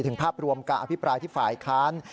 ถึงภาพรวมการอภิปรายที่ฝ่าอัดขาร